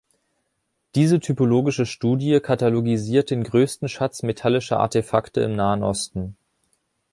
Diese typologische Studie katalogisiert den größten Schatz metallischer Artefakte im Nahen Osten.